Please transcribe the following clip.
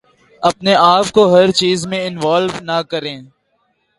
اپنے آپ کو ہر چیز میں انوالو نہ کریں